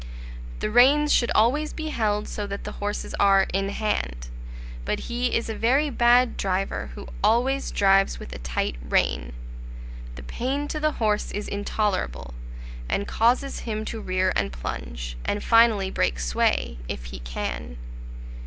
The reins should always be held so that the horses are "in hand;" but he is a very bad driver who always drives with a tight rein; the pain to the horse is intolerable, and causes him to rear and plunge, and finally break sway, if he can.